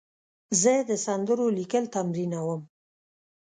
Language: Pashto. زه د سندرو لیکل تمرینوم.